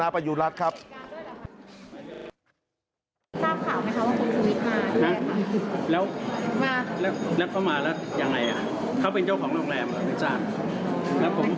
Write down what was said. แล้วเขามาแล้วยังไงอ่ะเขาเป็นเจ้าของโรงแรมอ่ะคุณศาสตร์